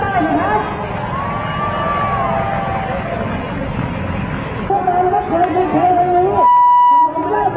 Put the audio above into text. อัศวินตรีสวัสดีครับ